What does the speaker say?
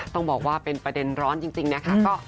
ต้องบอกว่าเป็นประเด็นร้อนจริงนะคะ